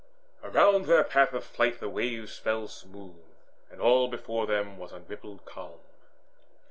Around their path of flight the waves fell smooth, And all before them was unrippled calm.